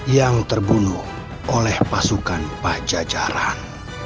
yang terbunuh oleh pasukan pajajaran